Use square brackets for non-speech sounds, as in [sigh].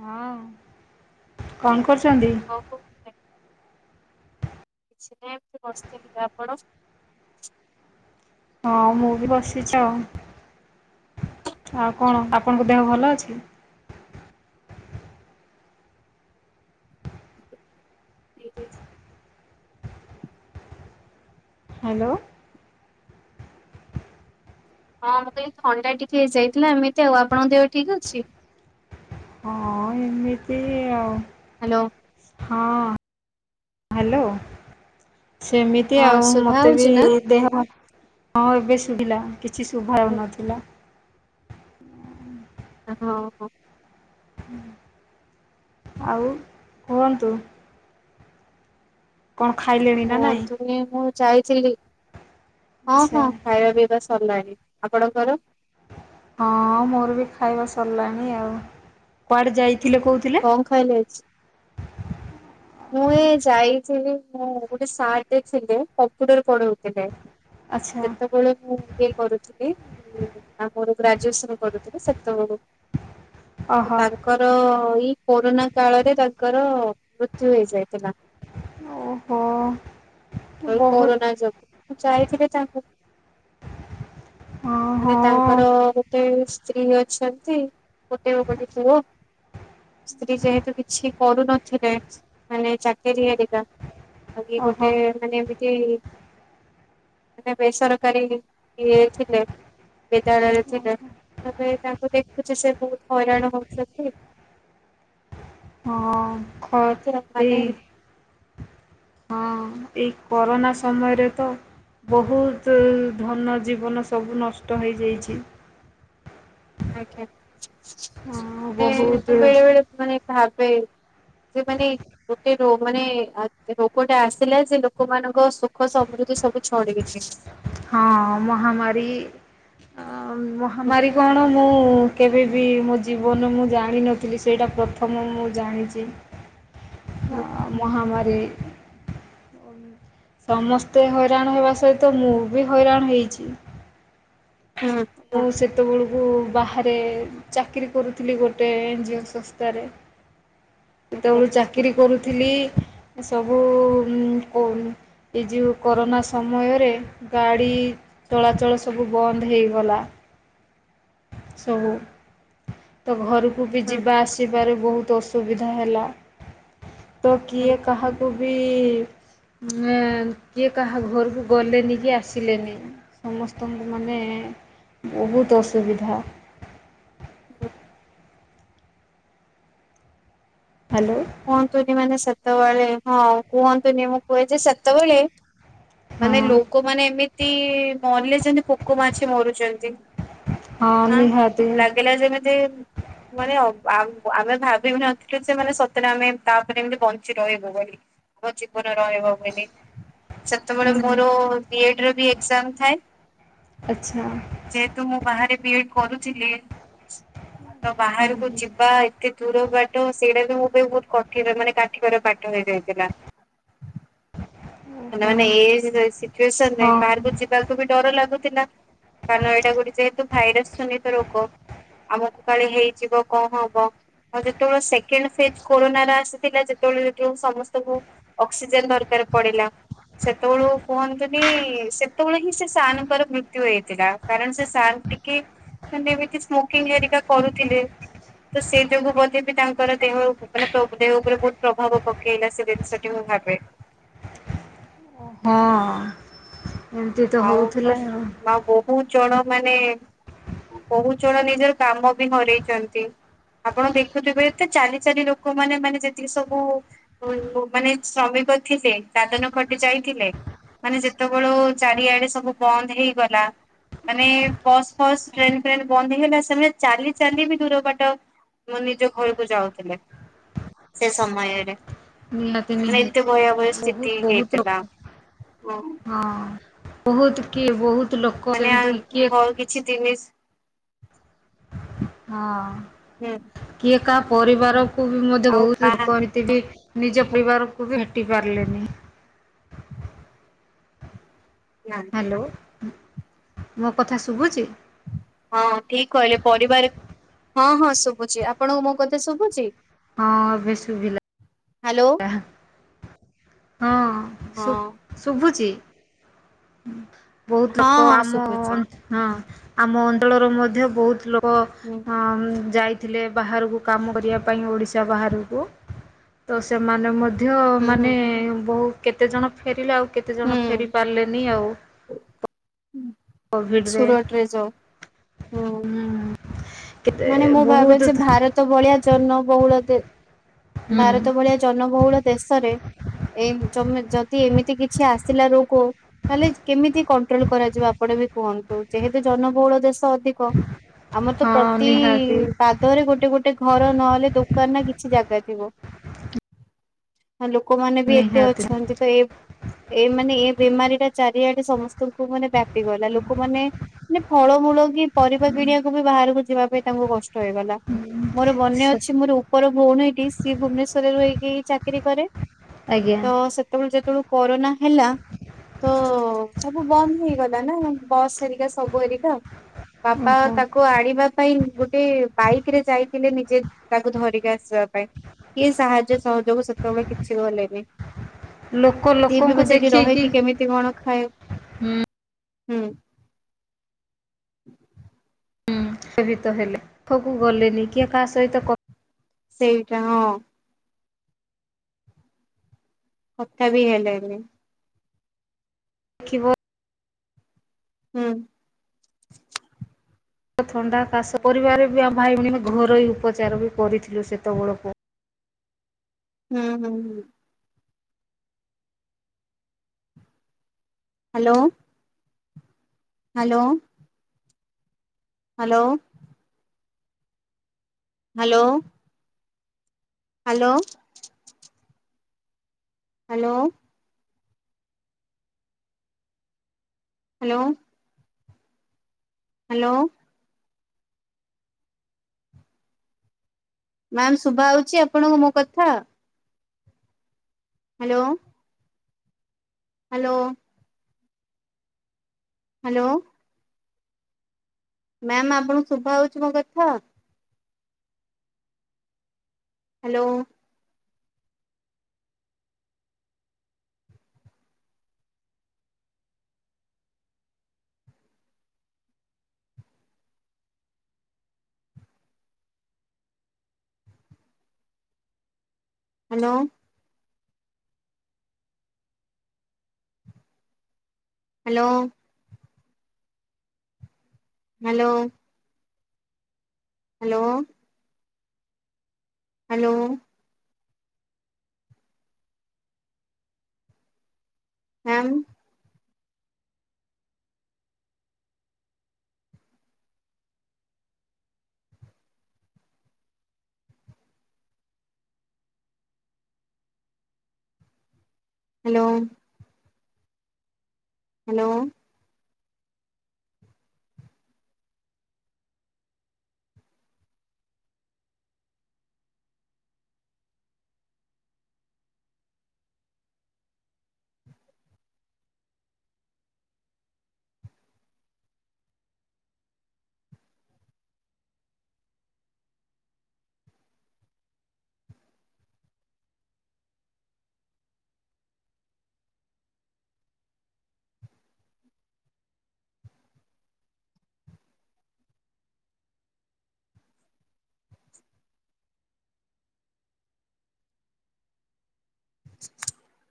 ହଁ କଣ? କରୁଛନ୍ତି। କଣ କିଛିି ନାଇ ଏମତି ବସିଥିଲା ଆପଣ? ହଁ ମୁଁ ବି ବସିଛି ଆଉ କଣ ଆପଣଙ୍କ ଦେହ ଭଲ ଅଛି। [inaudible] ହ୍ୟାଲୋ। ହଁ ମୋତେ ଥଣ୍ଡା ଟିକେ ହେଇ ଯାଇଥିଲା ଏମିତି ଆଉ ଆପଣଙ୍କ ଦେହ ଠିକ ଅଛି? ହଁ ଏମିତି ଆଉ। ହ୍ୟାଲୋ। ହଁ ହ୍ୟାଲୋ। ସେମିତି ହଁ ଆଉ ଶୁଭା ମତେ ବି ହଉଛି ନା? ଦେହ ହଁ ଏବେ ଶୁଭିଲା କି କିଛି ଶୁଭଉନଥିଲା। ହୁଁ। [inaudible] ହଁ ହୋ। ଆଉ କୁହନ୍ତୁ। କଣ ଖାଇଲେଣି ନା ନାଇଁ। କୁହନ୍ତୁନି ମୁଁ ଯାଇଥିଲି। ହଁ ଆଚ୍ଛା ହଁ ଖାଇବା ପିଇବା ସରିଲାଣି। ଆପଣଙ୍କର? ହଁ ମୋର ବି ଖାଇବା ସରିଲାଣି ଆଉ। କୁଆଡେ ଯାଇ କଣ ଖାଇଲେ ଆଜି? ମୁଁ ଏ ଯାଇଥିଲି ମୁଁ ଗୋଟେ ସାରେଟେ ଥିଲେ କମ୍ପ୍ୟୁଟର ପଢଉଥିଲେ। ଆଚ୍ଛା ଯେତେବେଳେ ମୁଁ [inaudible] କରୁଥିଲି ଆମର ଗ୍ରାଜୁଏସନ କରୁଥିଲି ସେତବେଳୁ ତ ଓହୋ ତାଙ୍କର ଏଇ କୋରୋନା କାଳରେ ତାଙ୍କର ଯେ ହେଇଯାଇଥିଲା ଓହୋ ଏଇ ବହୁତ କୋରୋନା ଯୋଗୁଁ ମୁଁ ଯାଇଥିଲି ତାଙ୍କୁ ହଁ ମାନେ ହଁ ତାଙ୍କର ଗୋଟେ ସ୍ତ୍ରୀ ଅଛନ୍ତି ଗୋଟେ ଓ ଗୋଟେ ପୁଅ ସ୍ତ୍ରୀ ଯେହେତୁ କିଛି କରୁନଥିଲେ। ମାନେ ଚାକିରି କା ଆ [inaudible] ଗୋଟେ ଓହୋ ମାନେ ବି କି ମାନେ ବେସରକାରୀ ଇଏ ଥିଲେ ବିଦ୍ୟାଳୟରେ ହଁ ଥିଲେ ତାପ ତାଙ୍କୁ ଦେଖୁଛି ସେ ବହୁତ ହଇରାଣ ହଉଛନ୍ତି। ହଁ। ଖ ଏଥି ମାନେ ଏଇ ହଁ। ଏଇ କରୋନା ସମୟରେ ତ ବହୁତ ଧନ ଜୀବନ ସବୁ ନଷ୍ଟ ହେଇଯାଇଛି। ଆଜ୍ଞା ହଁ ମ ବହୁତ ମୁଁ ବେଳେବେଳେ ପୁଣି ଭା ଏ ସେ ମାନେ ଗୋଟେ [inaudible] ମାନେ ରୋଗଟା ଆସିଲା ଯେ ଲୋକମାନଙ୍କ ସୁଖ ସମୃଦ୍ଧି ସବୁ ଛଡେଇ ନେଲା। ହଁ ମହାମାରୀ ଆ ଆଉ ହୁଁ ମହାମାରୀ କଣ ମୁଁ କେବେ ବି ମୋ ଜୀବନ ମୁଁ ଜାଣିନଥିଲି ସେଇଟା ପ୍ରଥମ ମୁଁ ଜାଣିଛି। ହୁଁ ହଁ ମହମାରୀ ହୁଇ [unintelligible] ସମସ୍ତେ ହଇରାଣ ହେବା ସହିତ ମୁଁ ବି ହଇରାଣ ହେଇଛି। ହୁଁ ଓହୋ ସେତ୍ ଯେତେବେଳକୁ ବାହାରେ ଚାକିରୀ କରୁଥିଲି ଗୋଟେ ଏନଜିଓ ସଂସ୍ଥାରେ ଆଜ୍ଞା ଯେତେବେଳୁ ଚାକିରୀ କରୁ ଥିଲି ସବୁ ଉଁ ଉମ୍ ଏ ଯେଉଁ କରୋନା ସମୟରେ ଗାଡ଼ି ଚଳାଚଳ ସବୁ ବନ୍ଦ ହେଇଗଲା। ହୁଁ ସବୁ ତ ଘରୁ କୁ ବି ହୁଁ ଯିବା ଆସିବାରେ ବହୁ ତ ଅସୁବିଧା ହେଲା। ତ ହୁଁ କିଏ କାହାକୁ ବି କିଏ କାହା ଘରୁକୁ ଗଲେନି କି ଆସିଲେନି। ସମସ୍ତ [inaudible] ବହୁତ୍ ଅସୁବିଧା। ହୁଁ। [inaudible] [inaudible] ମାନେ ହଁ ଲୋକମାନେ ମଲେ ଯେନ୍ତି ପୋକ, ମାଛି ମରୁଚନ୍ତି। [inaudible] ହଁ ନିହାତି [inaudible] ସେଇଟା ଆମେ ତାପରେ ଏମତି ବଞ୍ଚି ରହିବୁ ବୋଲି ଆମ ଜୀବନ ରହିବ ବୋଲି। ସେତେବେଳେ ହୁଁ ମୋର [unintelligible] ଥାଏ ଆଚ୍ଛା ସିଯେେତୁ ମୁଁାରେ କରୁଥିଲି ହ ତ ବାହାରକୁ ହଁ ଯିବା ଏତେ ଦୂର ବାଟ ସେଇଟା ତ ବହୁତ କଠିନ ମାନେ କାଠିକର ପାଠ ହେଇଯାଇଥିଲା। ମାନେ ମନେ ଏ ସିଚୁ ସିଚୁଏସନ୍ ରେ ହଁ ବାହାରକୁ ଯିବାକୁ ବି ଡର ଲାଗୁଥିଲା। କାରଣ ଏଇଟା ଗୋଟେ ଯେହେତୁ ଭାଇରସ ଜନିତ ରୋଗ ଆମକୁ କାଳେ ହେଇଯିବ କଣ ହବ ଆ ଯେତେବେଳେ ସେକେଣ୍ଡ ଫେଜ୍ କୋରୋନାର ଆସିଥିଲା ଯେତେବେଳେ ଯେତେବେଳେ ସମସ୍ତଙ୍କୁ ଅକ୍ସିଜେନ ଦରକାର ପଡିଲା। ସେତେବେଳୁ କୁହନ୍ତୁନି ସେତେବେଳେ ହିଁ ସେ ସାରଙ୍କର ମୃତ୍ୟୁ ହେଇଥିଲା କାରଣ ସେ ସାର୍ ଟିକେ ମାନେ ଏମିତି ସ୍ମୋକିଂ ହେରିକା କରୁଥିଲେ। ତ ସେଇ ଯୋଗୁ ବୋଧେ ବି ତାଙ୍କର ଦେହ ମାନେ ଦେହ ଉପରେ ବହୁତ ପ୍ରଭାବ ପକେଇଲା ସେ ଜିନିଷଟି ମୁଁ ଭାବେ। ହଁ। ଏମିତି ତ ଆଉ ହଉଥିଲା ମୁଁ ଆଉ ବହୁତ ଜଣ ମାନେ ବହୁତ ଜଣ ନିଜର କାମ ବି ହରଇଛନ୍ତି ଆପଣ ଦେଖୁଥିବେ ଏତେ ଚାରି ଚାରି ଲୋକମାନୋନେ ମାନେ ଯେତିକି ସବୁ ମାନେ ଶ୍ରମିକ ଥିଲେ ଦାଦନ ଖଟି ଯାଇଥିଲେ ମାନେ ଯେତେବେଳେ ଚାରିଆଡେ ସବୁ ବନ୍ଦ ହେଇଗଲା ମାନେ ବସ୍ ଫସ୍ ଟ୍ରେନ ଫ୍ରେନ ବନ୍ଦ ହେଇଗଲା ସେମାନେ ଚାଲି ଚାଲି ବି ଦୂର ବାଟ ନିଜ ଘରକୁ ଯାଉଥିଲେ ସେ ସମୟରେ ନିହାତି ମାନେ ଏତେ ନିହାତି ଭୟାବହ ସ୍ଥିତି ବହୁତ ବହୁତ [inaudible] ହେଇଥିଲା। ହଁ ବହୁତ କି ବହୁତ ଲୋକ ସେମିତି କିଏ [unintelligible] ହୁଁ ହଁ କିଏ ତା ପରିବାର କୋବି ମଧ୍ୟ ଆଉ ବହୁତ କାହା କରିଥିଲି। ନିଜ ପରିବାରକୁ ବି ଭେଟି ପାରିଲେନି। ନା ହ୍ୟାଲୋ। ମୋ କଥା ଶୁଭୁଛି? ହଁ ଠିକ୍ କହିଲେ ପରିବାର ହଁ ହଁ ଶୁଭୁଛି। ଆପଣଙ୍କୁ ମୋ କଥା ଶୁଭୁଛି? ହଁ ଏବେ ଶୁଭିଲା। ହ୍ୟାଲୋ ଏହ ହଁ ହଁ। ଶୁ-ଶୁଭୁଛି। ହୁଁ। ବହୁତ ହଁ ଲୋକ ହଁ ଆମ- ଅ- ଶୁଭୁଛି ଅନ୍ ହଁ। ଆମ ଅଣ୍ଡଳର ମଧ୍ୟ ବହୁତ ଲୋକ ହୁଁ ପ ଅ-ଅମଁ ଯାଇଥିଲେ ବାହାରକୁ କାମ କରିବା ପାଇଁ ଓଡ଼ିଶା ବାହାରକୁ। ତ ସେମାନେ ମଧ୍ୟ ଧ୍ୟ ହୁଁ ହୁଁ ମାନେ ବହୁତ କେତେଜଣ ଫେରିଲା ଆଉ କେତେ ଜଣ ଫେରି ହୁଁ ପାରିଲେନି ଆଉ। କୋଭିଡ଼ରେ ସୁଡଟ୍ ରେ ଜଉ ହୁଁ। କେତେ ମାନେ ମୁଁ ଭାବେ ବହୁତ ଯେ ଭାରତ ଭଳିଆ ଜନବହୁ ଉଳଦେ ହୁଁ ଭାରତ ଭଳିଆ ଜନବହୁଳ ଦେଶରେ ଏ ଯମେ ଯଦି ଏମିତି କିଛି ଆସିଲା ରୋଗ ତାହଲେ କେମିତି କଣ୍ଟ୍ରୋଲ କରାଯିବ? ଆପଣ ବି କୁହନ୍ତୁ, ଯେହେତୁ ଜନବହୁଳ ଦେଶ୍ ଅଧିକ ଆମର ତ ହଁ ପ୍ର ତି-ଇ ନିହାତି ପାଦରେ ଗୋଟେ ଗୋଟେ ଘର ନହେଲେ ଦୋକାନ ନା କିଛି ଜାଗା ଥିବ। ଲୋକମାନେ ବି ଏତେ ନିହାତି ଅଛନ୍ତି, ତ ଏ-ଏ ମାନେ ଏ ବେମାରୀ ଟା ଚାରିଆଡେ ସମସ୍ତଙ୍କୁ ମାନେ ବ୍ୟାପି ଗଲା ଲୋକମାନେ ମାନେ ଫଳମୂଳ କି ପରିବା କିଣିବାକୁ ବି ବାହାରକୁ ଯିବା ଏ ତାଙ୍କୁ କଷ୍ଟ ହେଇଗଲା। ମୋର ବନେ ଅଛି ମୋର ଉପର ଭଉଣୀ ଟି ଶୀ ଭୁବନେଶ୍ ର-ରହିକି ଚାକିରି କରେ। ଆଜ୍ଞା ତ ସେତେବେଳୁ ଯେତଳୁ କୋରୋନା ହେଲା ତ ସବୁ ବନ୍ଦ ହେଇଗଲା ନା ବସ୍ ଏରିକା ସବୁ ଏରିକା। ବାପା ଓହୋ ତାକୁ ଆଣିବାକ୍ ଗୋଟେ ବାଇକ ରେ ଯାଇଥିଲେ ନିଜେ ତାକୁ ଧରିକି ଆସିବା ପାଇଁ କିଏ ସାହାଯ୍ୟ ସହଯୋଗ ସେତେବେଳେ କିଛି ଗଲେନି ଲୋକ ଲୋକଙ୍କୁ ଦେଖେଇକି କେମିତି କଣ ହୁଁ ହୁଁ। ଭିତ ହେଲେ ପାଖକୁ ଗଲେନି କିଏ କାହା ସହିତ କ ସେଇଟା ହଁ। କଥା ବି ହେଲେବେ ଦେଖିବ ହୁଁ। ଥଣ୍ଡା କାଶ ପରିବାର ବି ଆମ ଭାଇ ଭଉଣୀ ଘରୋଇ ଉପଚାର ବି କରିଥିଲୁ ସେତେବେଳକୁ ହୁଁ ହୁଁ ହଁ। Hello hello hello hello hello hello hello hello ma'am ଶୁଭା ଅଉଛି ଆପଣଙ୍କ ମୋ କଥା ହାଲୋ ହାଲୋ ହାଲୋ ମ୍ୟାମ ଆପଣଙ୍କୁ ଶୁଭା ହଉଛି ମୋ କଥା hello hello hello hello hello hello ହଁ। Hello hello [inaudible]